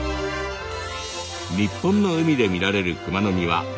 日本の海で見られるクマノミは６種。